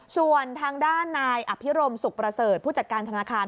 ส่วนทางด้านนายอภิรมสุขประเสริฐผู้จัดการธนาคาร